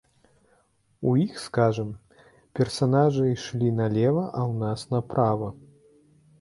У іх, скажам, персанажы ішлі налева, а ў нас направа.